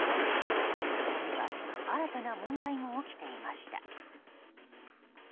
そこには新たな問題も起きていました。